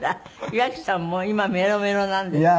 岩城さんも今メロメロなんですって。